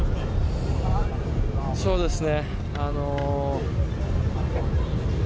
そうですね。